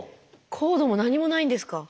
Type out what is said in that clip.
コードも何もないんですか？